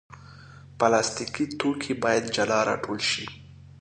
پلاستيکي توکي باید جلا راټول شي.